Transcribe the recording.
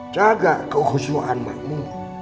jaga keusuhan makmu